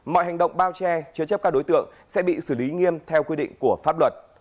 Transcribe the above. mọi hành động bao che chứa chấp các đối tượng sẽ bị xử lý nghiêm theo quy định của pháp luật